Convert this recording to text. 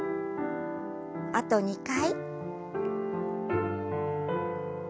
あと２回。